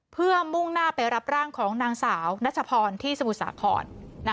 เพื่อมุ่งหน้าไปรับร่างของนางสาวนัชพรที่สมุทรสาคร